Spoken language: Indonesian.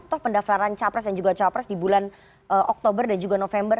tuh pendaftaran cawapres dan juga cawapres di bulan oktober dan juga november